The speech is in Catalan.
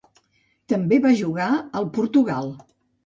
També va jugar al Portugal.